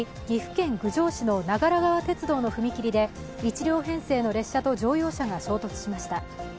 岐阜県郡上市の長良川鉄道の踏切で１両編成の列車と乗用車が衝突しました。